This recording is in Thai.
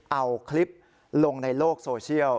เอาคลิปลงในโลกโซเชียล